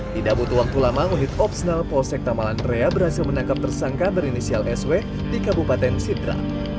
tidak butuh waktu lama unit opsenal polsek tamalan raya berhasil menangkap tersangka berinisial sw di kabupaten sidra